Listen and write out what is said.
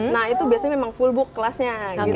nah itu biasanya memang full book kelasnya gitu